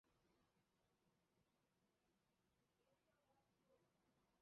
而原有的标清频道则以高清节目下变换方式播出。